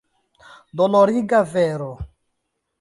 Doloriga vero!